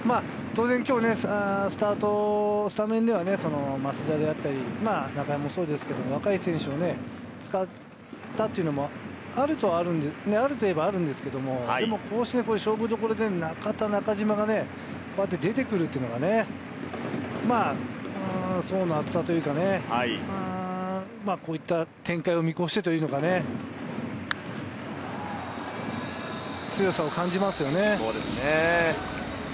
当然今日スタメンでは増田だったり、中山もそうですけれど、若い選手を使ったというのもあるといえばあるんですけれど、でもこうして勝負どころで中田、中島がね、出てくるっていうのがね、層の厚さというかね、こういった展開を見越してというのかね、強さを感じますよね。